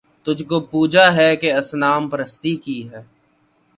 تجھ کو پوجا ہے کہ اصنام پرستی کی ہے